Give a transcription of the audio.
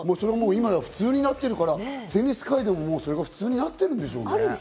今や普通になってるから、テニス界でもそれがもう普通になってるんでしょうね。